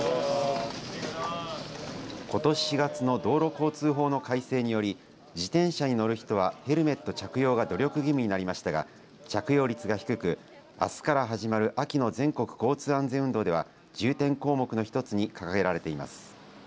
ことし４月の道路交通法の改正により自転車に乗る人はヘルメット着用が努力義務になりましたが着用率が低く、あすから始まる秋の全国交通安全運動では重点項目の一つに掲げられています。